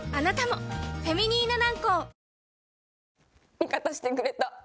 味方してくれた。